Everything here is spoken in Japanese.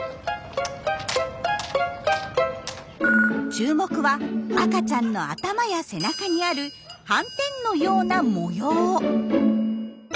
注目は赤ちゃんの頭や背中にある斑点のような模様。